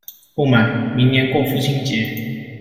不買，明年過父親節